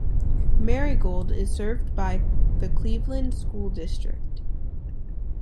Merigold is served by the Cleveland School District.